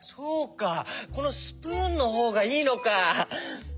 このスプーンのほうがいいのか。